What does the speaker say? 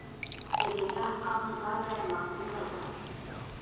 د دیني احکامو دا ډله محدود ده.